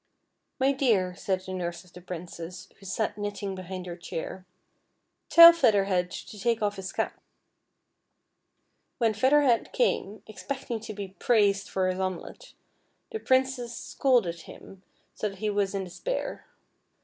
"My dear," said the nurse of the Princess, who sat knitting behind her chair, " tell Feather Head to take off his cap." When Feather Head came, expecting to be praised for his omelet, the Princess scolded him, so that he was in despair.